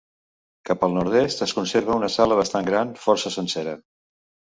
Cap al nord-est es conserva una sala bastant gran, força sencera.